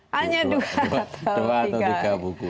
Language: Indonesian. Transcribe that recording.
hanya dua atau tiga